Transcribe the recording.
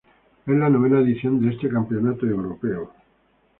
Es la novena edición de este campeonato europeo.